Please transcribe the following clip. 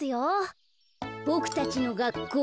ボクたちのがっこう。